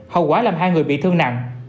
hậu quả làm hai người bị thương nặng